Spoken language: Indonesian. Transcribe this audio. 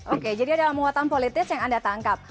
oke jadi adalah muatan politis yang anda tangkap